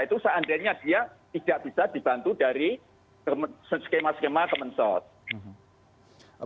itu seandainya dia tidak bisa dibantu dari skema skema kemensos